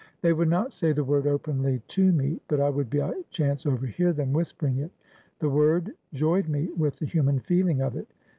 They would not say the word openly to me, but I would by chance overhear them whispering it. The word joyed me with the human feeling of it.